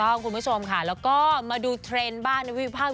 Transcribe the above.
ครับคุณผู้ชมค่ะแล้วก็มาดูเทรนด์บ้าง